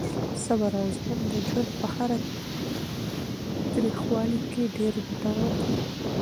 صبر او زغم د ژوند په هره تریخوالې کې ډېر ګټور دي.